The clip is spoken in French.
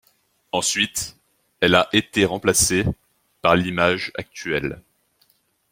Ensuite elle a été remplacée par l'image actuelle.